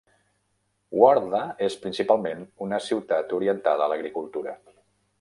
Wardha és principalment una ciutat orientada a l'agricultura.